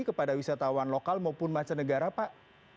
kepada wisatawan lokal maupun masyarakat negara pak